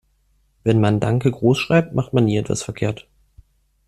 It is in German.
Wenn man "Danke" großschreibt, macht man nie etwas verkehrt.